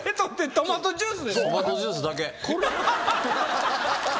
トマトジュース。